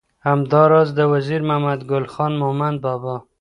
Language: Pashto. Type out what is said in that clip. همدا راز د وزیر محمد ګل خان مومند بابا